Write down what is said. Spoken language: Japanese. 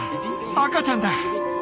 赤ちゃんだ！